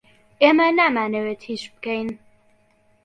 ئێمە نامانەوێت هیچ بکەین.